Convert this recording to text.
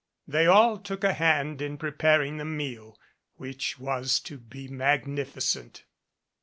They all took a hand in preparing the meal, which was to be magnificent.